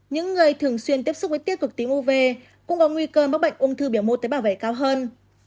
những người thường xuyên tiếp xúc với tiêu cực tím uv cũng có nguy cơ mắc bệnh ung thư biểu mô tế bảo vệ cao hơn